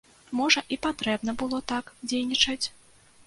Можа, і патрэбна было так дзейнічаць?